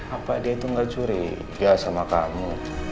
apa dia itu gak curiga sama kamu